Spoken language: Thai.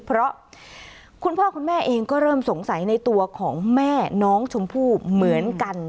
เพราะคุณพ่อคุณแม่เองก็เริ่มสงสัยในตัวของแม่น้องชมพู่เหมือนกัน